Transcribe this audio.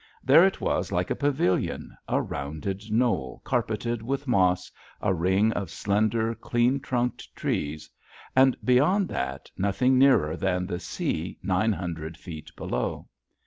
There it was like a pavilion, a round knoll carpeted with moss, a ring of slender, clean trunked trees; and beyond that nothing nearer than the sea nine hundred feet below.